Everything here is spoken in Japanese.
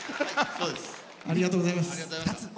ありがとうございます。